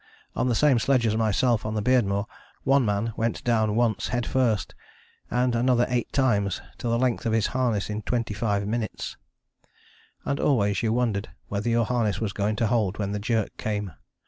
On the same sledge as myself on the Beardmore one man went down once head first, and another eight times to the length of his harness in 25 minutes. And always you wondered whether your harness was going to hold when the jerk came.